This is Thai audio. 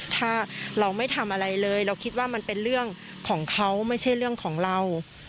ถ้าเราไม่ทำอะไรเลยเราคิดว่ามันเป็นเรื่องของเขาไม่ใช่เรื่องของเรา